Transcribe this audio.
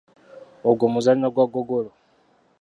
Ogwo muzannyo gwa ggogolo.